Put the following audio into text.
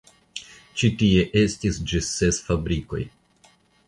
Ĉi tie estis ĝis ses fabrikoj.